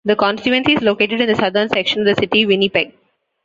The constituency is located in the southern section of the City of Winnipeg.